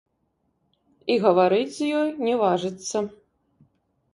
І гаварыць з ёй не важыцца.